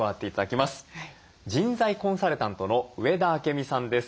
人材コンサルタントの上田晶美さんです。